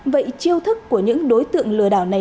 vậy chiêu thức của những đối tượng lừa đảo này